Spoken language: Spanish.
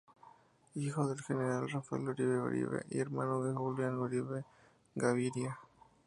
Hijo del general Rafael Uribe Uribe y hermano de Julián Uribe Gaviria.